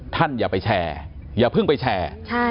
อย่าไปแชร์อย่าเพิ่งไปแชร์